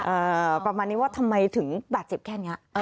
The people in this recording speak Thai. อ่าประมาณนี้ว่าทำไมถึงบาดเจ็บแค่นี้